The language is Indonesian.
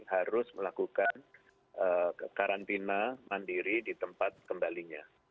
harus melakukan karantina mandiri di tempat kembalinya